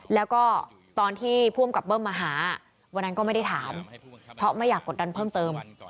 แล้วก็ตอนที่ผู้อำกับเบิ้มมาหาวันนั้นก็ไม่ได้ถามเพราะไม่อยากกดดันเพิ่มเติม